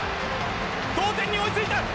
同点に追いついた。